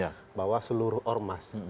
karena kita melihat bahwa seluruh ormas